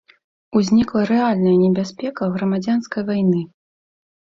Узнікла рэальная небяспека грамадзянскай вайны.